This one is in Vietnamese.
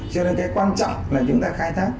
cho nên cái quan trọng là chúng ta khai thác